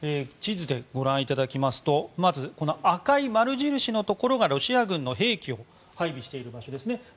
地図でご覧いただきますとまず、赤い丸印のところがロシア軍の兵器を配備している場所ですね。